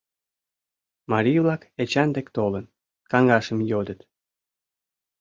Марий-влак, Эчан дек толын, каҥашым йодыт.